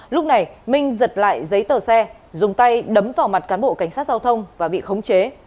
lúc này minh giật lại giấy tờ xe dùng tay đấm vào mặt cán bộ cảnh sát giao thông và bị khống chế